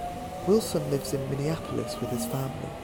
Wilson lives in Minneapolis with his family.